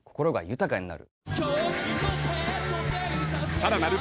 ［さらなる］